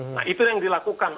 nah itu yang dilakukan